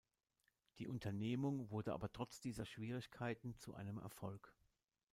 Die Unternehmung wurde aber trotz dieser Schwierigkeiten zu einem Erfolg.